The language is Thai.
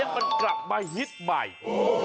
กลับมาฮิตใหม่